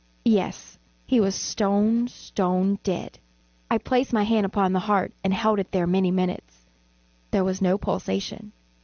Yes, he was stone, stone dead. I placed my hand upon the heart and held it there many minutes. There was no pulsation.